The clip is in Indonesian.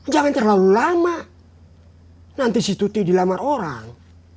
jangan terlalu lama nanti si tuti dilamar orang